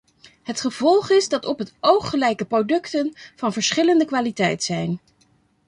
Het gevolg is dat op het oog gelijke producten van verschillende kwaliteit zijn.